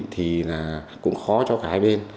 thì cũng khó cho cả hai bên